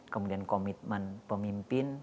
kemudian komitmen pemimpin